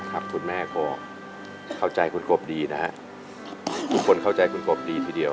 คุณแม่ก็เข้าใจคุณกบดีนะฮะทุกคนเข้าใจคุณกบดีทีเดียว